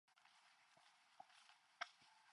Like many such rhymes, its origins are unclear.